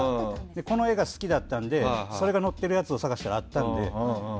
この絵が好きだったのでそれが載ってるやつを探したらあったので。